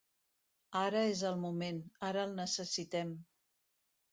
Ara és el moment, ara el necessitem.